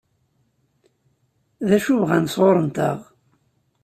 D acu i bɣan sɣur-nteɣ?